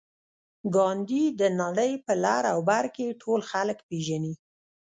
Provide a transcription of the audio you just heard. ګاندي د نړۍ په لر او بر کې ټول خلک پېژني